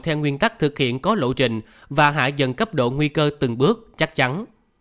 theo nguyên tắc thực hiện có lộ trình và hạ dần cấp độ nguy cơ từng bước chắc chắn